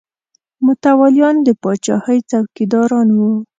متولیان د پاچاهۍ څوکیداران وو.